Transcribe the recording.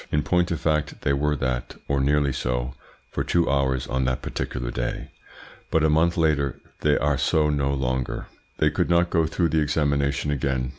In point of fact they were that, or nearly so, for two hours on that particular day, but a month later they are so no longer. They could not go through the examination again.